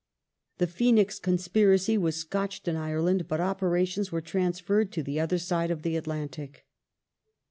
The Phoenix conspiracy was scotched in Ireland, but operations were transferred to the other side of the Atlantic.